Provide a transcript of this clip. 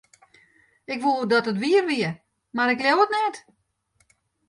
Ik woe dat it wier wie, mar ik leau it net.